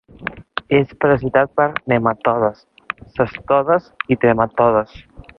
És parasitat per nematodes, cestodes i trematodes.